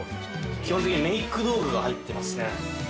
基本的にメーク道具が入ってますね。